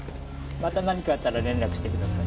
また何かあったら連絡してください